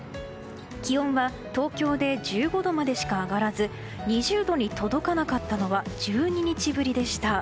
気温は東京で１５度までしか上がらず２０度に届かなかったのは１２日ぶりでした。